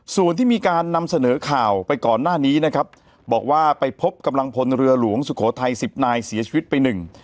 ส่วนที่มีการนำเสนอข่าวไปก่อนหน้านี้นะครับบอกว่าไปพบกำลังพลเรือหลวงสุโขทัยสิบนายเสียชีวิตไปหนึ่ง